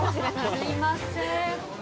すいませんえ